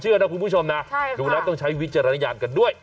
คุณผู้ชมนะดูแล้วต้องใช้วิจารณญาณกันด้วย